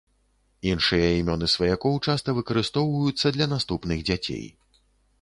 Іншыя імёны сваякоў часта выкарыстоўваюцца для наступных дзяцей.